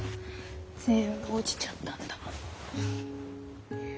全部落ちちゃったんだもん。